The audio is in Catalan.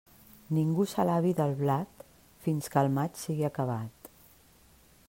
Ningú s'alabi del blat, fins que el maig sigui acabat.